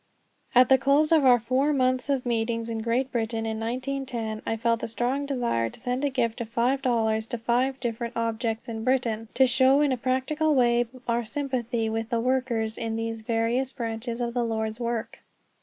At the close of our four months of meetings in Great Britain, in 1910, I felt a strong desire to send a gift of five dollars to five different objects in Britain, to show in a practical way our sympathy with the workers in these various branches of the Lord's work.